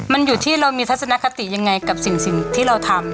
มันอยู่ที่เรามีทัศนคติยังไงกับสิ่งที่เราทำ